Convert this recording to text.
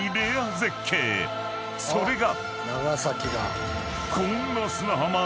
［それが］